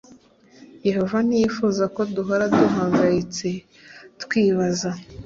yehova ntiyifuza ko duhora duhangayitse twibaza